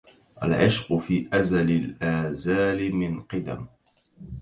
العشق في أزل الآزال من قدم